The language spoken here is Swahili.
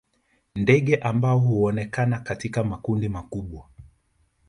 Ndege ambao huonekana katika makundi makubwa